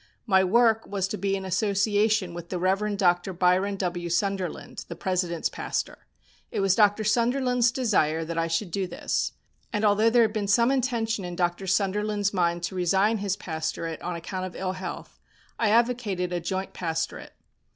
My work was to be an association with the Rev. Dr. Byron W. Sunderland, the President's pastor. It was Dr. Sunderland's desire that I should do this, and although there had been some intention in Dr. Sunderland's mind to resign his pastorate on account of ill health I advocated a joint pastorate.